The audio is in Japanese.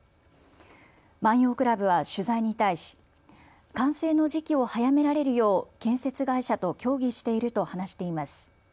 万葉倶楽部は取材に対し、完成の時期を早められるよう建設会社と協議していると話しています。